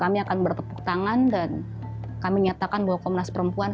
kami akan bertepuk tangan dan kami nyatakan bahwa komnas perempuan